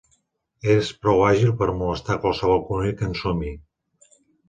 És prou àgil per molestar qualsevol conill que ensumi.